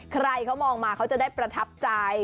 ใครเขามองมาเขาจะได้ประทับใจ